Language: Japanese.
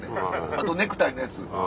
あとネクタイのやつ。